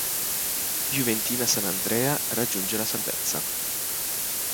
Juventina Sant'Andrea raggiunge la salvezza.